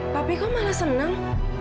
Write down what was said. papi kok malah senang